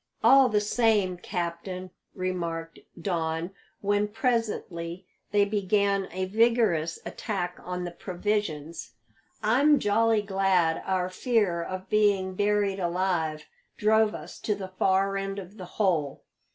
"All the same, captain," remarked Don, when presently they began a vigorous attack on the provisions, "I'm jolly glad our fear of being buried alive drove us to the far end of the hole.